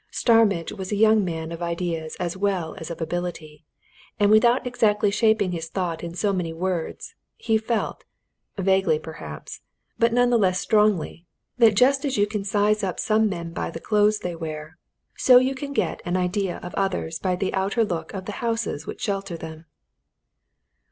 Starmidge was a young man of ideas as well as of ability, and without exactly shaping his thought in so many words, he felt vaguely perhaps, but none the less strongly that just as you can size up some men by the clothes they wear, so you can get an idea of others by the outer look of the houses which shelter them.